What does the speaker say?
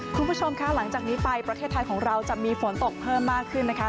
คุณผู้ชมคะหลังจากนี้ไปประเทศไทยของเราจะมีฝนตกเพิ่มมากขึ้นนะคะ